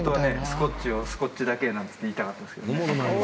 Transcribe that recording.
スコッチをすこっちだけなんつって言いたかったんですけどね。